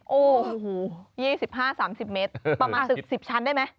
โอ้โห๒๕๓๐เมตรประมาณ๑๐ชั้นได้ไหม